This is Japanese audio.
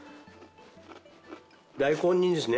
大根にですね